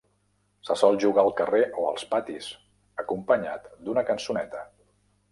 Se sol jugar al carrer o als patis, acompanyat d'una cançoneta.